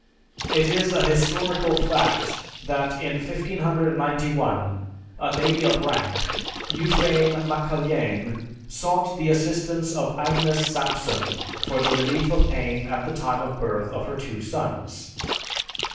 It is a historical fact that in 1591, a lady of rank, Eufame Macalyane, sought the assistance of Agnes Sampson for the relief of pain at the time of birth of her two sons.